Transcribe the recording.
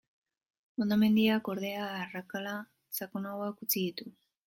Hondamendiak, ordea, arrakala sakonagoak utzi ditu.